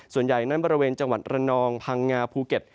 ส่วนใหญ่นั้นบริเวณจังหวัดระนองพังงาภูเก็ต